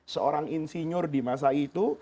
seorang insinyur di masa itu